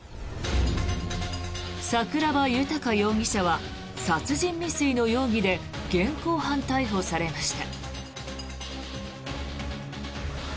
桜庭豊容疑者は殺人未遂の容疑で現行犯逮捕されました。